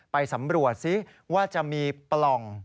ไปสำรวจซิว่าจะมีปล่อง